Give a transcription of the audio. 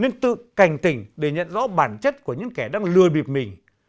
nên tự cảnh tỉnh để nhận rõ bản chất của những kẻ đang lừa bịp mình